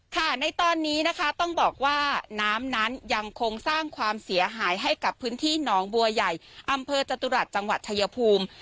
ในตอนนี้นะคะต้องบอกว่าน้ำนั้นยังคงสร้างความเสียหายให้กับพื้นที่หนองบัวใหญ่อำเภอจตุรัสจังหวัดชายภูมิ